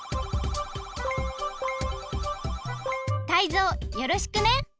タイゾウよろしくね。